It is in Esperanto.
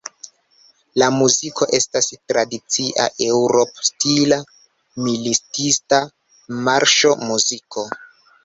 La muziko estas tradicia eŭrop-stila militista marŝo-muziko.